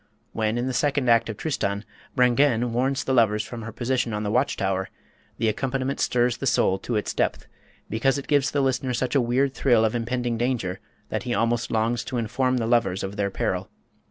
When in the second act of "Tristan" Brangäne warns the lovers from her position on the watch tower, the accompaniment stirs the soul to its depth, because it gives the listener such a weird thrill of impending danger that he almost longs to inform the lovers of their peril.